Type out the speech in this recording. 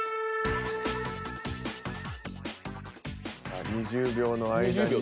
さあ２０秒の間に。